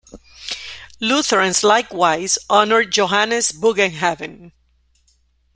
Lutherans likewise honor Johannes Bugenhagen.